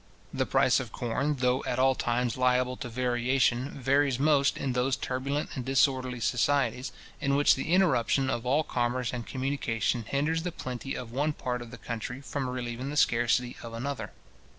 The price of corn, though at all times liable to variation varies most in those turbulent and disorderly societies, in which the interruption of all commerce and communication hinders the plenty of one part of the country from relieving the scarcity of another.